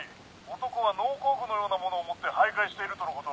男は農耕具のようなものを持って徘徊しているとのこと。